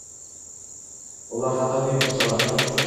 Ular hattoki “yo‘q” desalar ham.